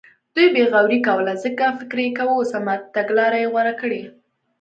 دوی بې غوري کوله ځکه فکر یې کاوه سمه تګلاره یې غوره کړې.